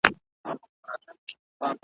زرکي وویل زما ژوند به دي په کار سي ,